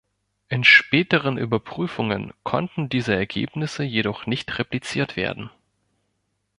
In späteren Überprüfungen konnten diese Ergebnisse jedoch nicht repliziert werden.